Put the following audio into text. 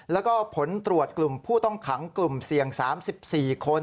แล้วก็ผลตรวจกลุ่มผู้ต้องขังกลุ่มเสี่ยง๓๔คน